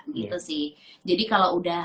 gitu sih jadi kalau udah